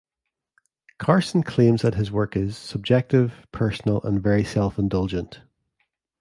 Carson claims that his work is "subjective, personal and very self indulgent".